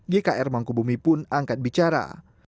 gkr mangkubumi pun angkat bicara